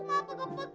ini mah gampang banget